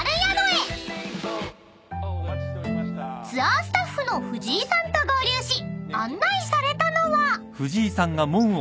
［ツアースタッフの藤井さんと合流し案内されたのは］